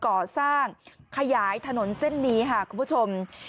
ก่อสร้างขยายถนนเส้นนี้ค่ะคุณผู้ชม